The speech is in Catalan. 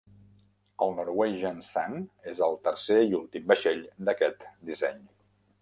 El "Norwegian Sun" és el tercer i últim vaixell d'aquest disseny.